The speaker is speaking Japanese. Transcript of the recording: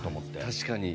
確かに。